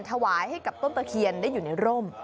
ถวายให้กับต้นตะเคียนได้อยู่ในร่ม